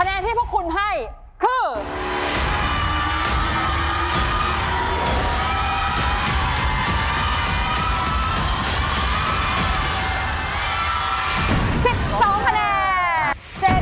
แนนที่พวกคุณให้คือ